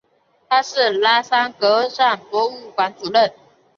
他是萨拉戈萨博物馆主任。